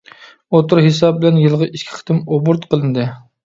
ئوتتۇرا ھېساب بىلەن يىلىغا ئىككى قېتىم ئوبوروت قىلىندى.